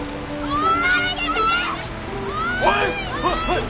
おい！